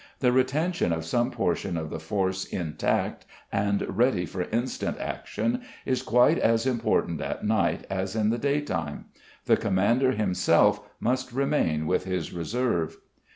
The retention of some portion of the force intact and ready for instant action is quite as important at night as in the daytime. The commander himself must remain with his reserve.